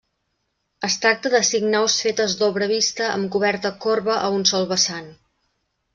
Es tracta de cinc naus fetes d'obra vista amb coberta corba a un sol vessant.